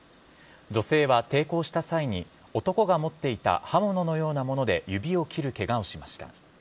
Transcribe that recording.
女性は抵抗した際に男が持っていた刃物のようなもので指を切るケガをしました。